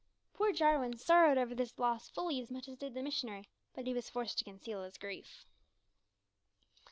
Poor Jarwin sorrowed over this loss fully as much as did the missionary, but he was forced to conceal his grief.